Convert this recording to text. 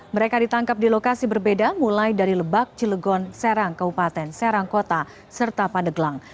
mereka ditangkap di lokasi berbeda mulai dari lebak cilegon serang kabupaten serang kota serta pandeglang